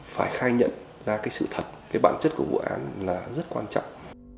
phải khai nhận ra cái sự thật cái bản chất của vụ án là rất quan trọng